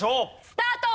スタート！